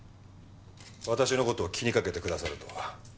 私の事を気に掛けてくださるとは。